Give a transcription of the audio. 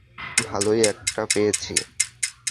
ভালোই একটা পেয়েছি।